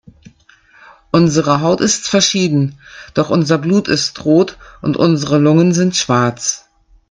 Unsere Haut ist verschieden, doch unser Blut ist rot und unsere Lungen sind schwarz.